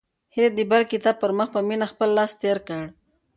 هیلې د بل کتاب پر مخ په مینه خپل لاس تېر کړ.